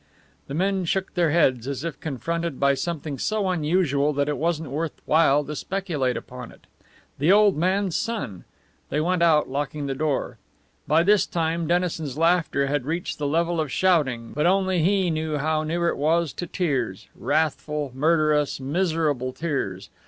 The men shook their heads, as if confronted by something so unusual that it wasn't worth while to speculate upon it. The old man's son! They went out, locking the door. By this time Dennison's laughter had reached the level of shouting, but only he knew how near it was to tears wrathful, murderous, miserable tears!